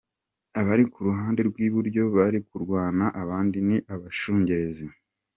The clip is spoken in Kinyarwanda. Abari ku ruhande rw’iburyo bari kurwana, abandi ni abashungerezi.